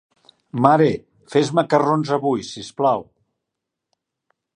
Mare, fes macarrons avui, sisplau.